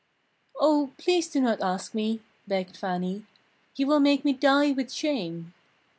"Oh, please do not ask me!" begged Fannie, "you will make me die with shame!"